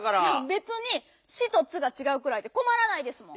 べつに「シ」と「ツ」がちがうくらいでこまらないですもん。